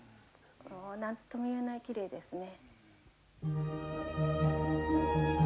もう何とも言えないきれいですね。